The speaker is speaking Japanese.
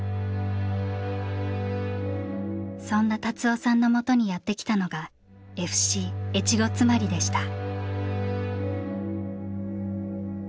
そんな達夫さんのもとにやってきたのがＦＣ越後妻有でした。